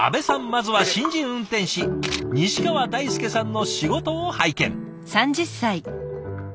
まずは新人運転士西川大輔さんの仕事を拝見。